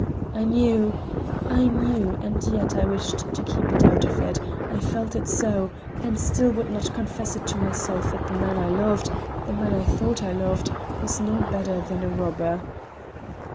I knew I knew and yet I wished to keep a doubt of it, I felt it so, and still would not confess it to myself that the man I loved the man I thought I loved was no better than a robber."